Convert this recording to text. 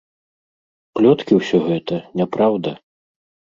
Плёткі ўсё гэта, няпраўда.